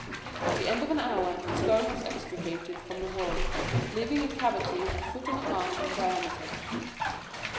At the end of an hour the stone was extricated from the wall, leaving a cavity a foot and a half in diameter.